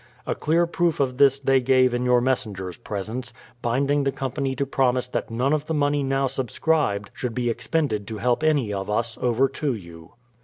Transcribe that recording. A clear proof of this they gave in your messenger's presence, binding the company to promise that none of the money now subscribed should be expended to help any of us over to you.